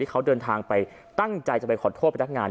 เขาเดินทางไปตั้งใจจะไปขอโทษพนักงาน